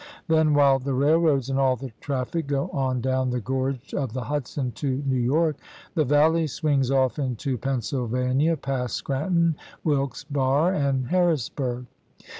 Then, while the railroads and all the traffic go on down the gorge of the Hudson to New York, the valley swings off into Pennsylvania past Scranton, Wilkesbarre, and Harrisburg.